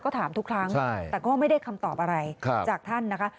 ก็ถามทุกครั้งแต่ก็ไม่ได้คำตอบอะไรจากท่านนะคะ